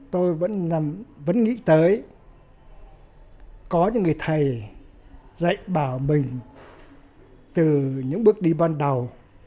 tôi vẫn nghĩ tới có những người thầy dạy bảo mình từ những bước đi ban đầu